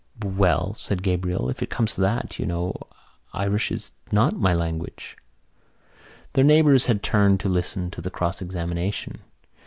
"Well," said Gabriel, "if it comes to that, you know, Irish is not my language." Their neighbours had turned to listen to the cross examination.